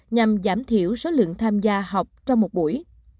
nhằm giảm thiểu số lượng tham gia học trong một buổi